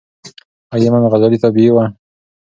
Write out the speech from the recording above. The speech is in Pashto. ایا امام غزالې تابعې وه؟